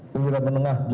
pemirah menengah delapan